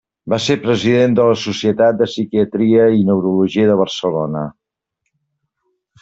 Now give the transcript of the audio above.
Va ser president de la Societat de Psiquiatria i Neurologia de Barcelona.